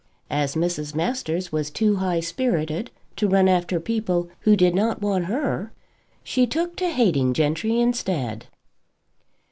As Mrs. Masters was too high spirited to run after people who did not want her, she took to hating gentry instead.